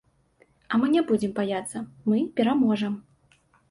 А мы не будзем баяцца, мы пераможам.